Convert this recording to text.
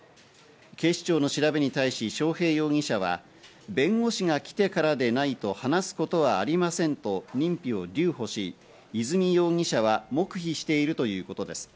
警視庁の調べに対し章平容疑者は、弁護士が来てからでないと話すことはありませんと認否を留保し、和美容疑者は黙秘しているということです。